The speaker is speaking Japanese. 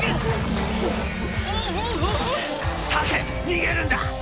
逃げるんだ！